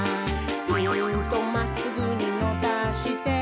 「ピーンとまっすぐにのばして」